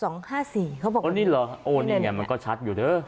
นี่เหรอโอนยังไงมันก็ชัดอยู่เด้อ